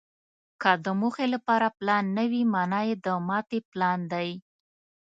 که د موخې لپاره پلان نه وي، مانا یې د ماتې پلان دی.